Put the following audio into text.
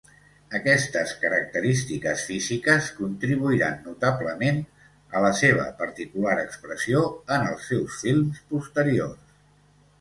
Aquestes característiques físiques contribuiran notablement a la seva particular expressió en els seus films posteriors.